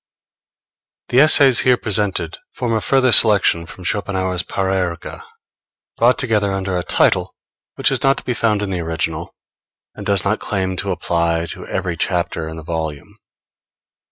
The Essays here presented form a further selection from Schopenhauer's Parerga, brought together under a title which is not to be found in the original, and does not claim to apply to every chapter in the volume.